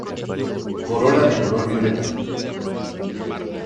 Corola de color violeta.